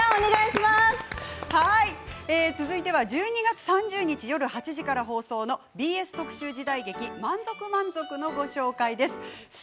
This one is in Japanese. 続いて１２月３０日夜８時から放送のＢＳ特集時代劇「まんぞくまんぞく」のご紹介です。